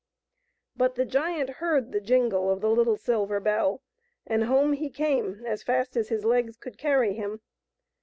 But the giant heard the jingle of the little silver bell, and home he came as fast as his legs could carry him.